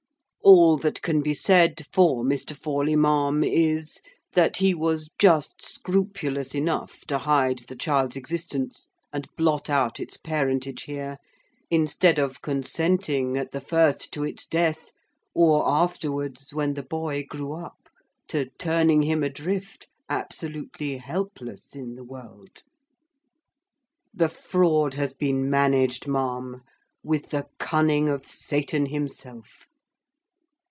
"All that can be said for Mr. Forley, ma'am, is, that he was just scrupulous enough to hide the child's existence and blot out its parentage here, instead of consenting, at the first, to its death, or afterwards, when the boy grew up, to turning him adrift, absolutely helpless in the world. The fraud has been managed, ma'am, with the cunning of Satan himself.